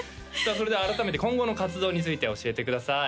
それでは改めて今後の活動について教えてください